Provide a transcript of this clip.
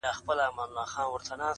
ته پوهیږې د ابا سیوری دي څه سو؟!!